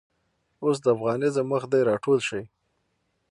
اوس دافغانیزم وخت دی راټول شئ